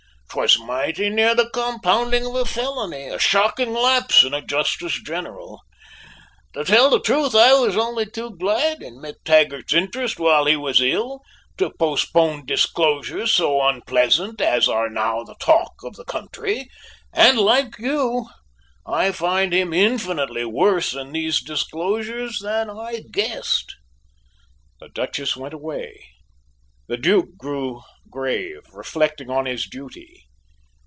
"'Twas mighty near the compounding of a felony, a shocking lapse in a Justice General. To tell the truth, I was only too glad, in MacTaggart's interest, while he was ill, to postpone disclosures so unpleasant as are now the talk of the country; and like you, I find him infinitely worse in these disclosures than I guessed." The Duchess went away, the Duke grew grave, reflecting on his duty.